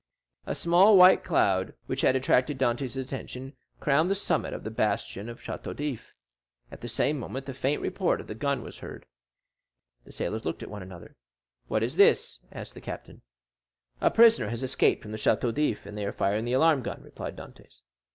A small white cloud, which had attracted Dantès' attention, crowned the summit of the bastion of the Château d'If. At the same moment the faint report of a gun was heard. The sailors looked at one another. "What is this?" asked the captain. "A prisoner has escaped from the Château d'If, and they are firing the alarm gun," replied Dantès.